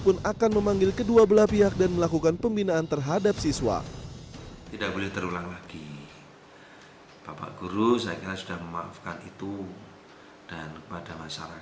pun akan memanggil kedua belah pihak dan melakukan pembinaan terhadap siswa